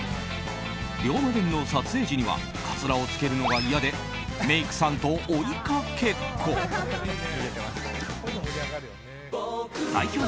「龍馬伝」の撮影時にはカツラを着けるのが嫌でメイクさんと追いかけっこ。